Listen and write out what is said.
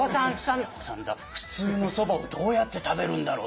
「小さんだ」「普通のそばをどうやって食べるんだろう？」